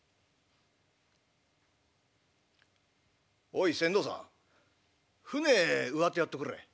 「『おい船頭さん舟上手やっとくれ。